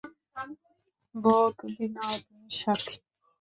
বৌ তুমি নও, তুমি সাথি।